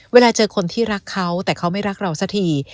เวลาเจอคนที่รักเขาแต่เขาไม่รักเราสักที